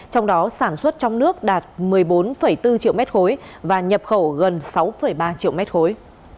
trong đó sản xuất trong nước đạt một mươi bốn bốn triệu mét khối và nhập khẩu gần sáu ba triệu mét khối